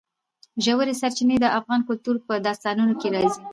ژورې سرچینې د افغان کلتور په داستانونو کې راځي.